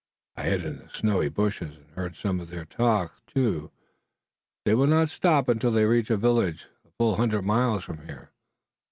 I hid in the snowy bushes, and heard some of their talk, too. They will not stop until they reach a village a full hundred miles from here.